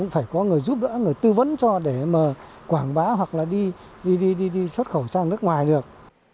phải có người giúp đỡ người tư vấn cho để mà quảng bá hoặc là đi xuất khẩu sang nước ngoài được